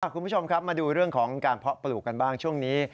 คุณผู้ชมครับมาดูเรื่องของการเพาะปลูกกันบ้างช่วงนี้